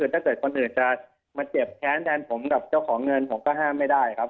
ถ้าเกิดคนอื่นจะมาเจ็บแค้นแทนผมกับเจ้าของเงินผมก็ห้ามไม่ได้ครับ